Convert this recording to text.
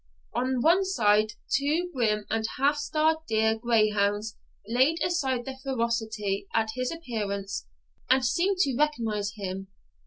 On one side, two grim and half starved deer greyhounds laid aside their ferocity at his appearance, and seemed to recognise him.